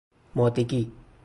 مادگی